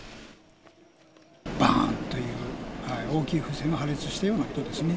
ばーんという大きい風船が破裂したような音ですね。